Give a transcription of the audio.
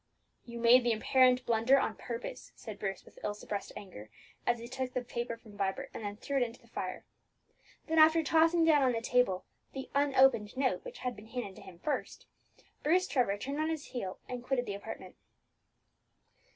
"You made the apparent blunder on purpose," said Bruce with ill suppressed anger, as he took the paper from Vibert, and then threw it into the fire. Then, after tossing down on the table the unopened note which had been handed to him first, Bruce Trevor turned on his heel, and quitted the apartment.